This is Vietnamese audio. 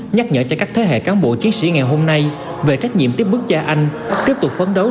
nhắc nhở cho các thế hệ cán bộ chiến sĩ ngày hôm nay về trách nhiệm tiếp bước cha anh tiếp tục phấn đấu